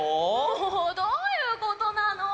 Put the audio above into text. もうどういうことなの！